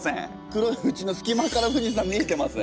黒いふちの隙間から富士山見えてます。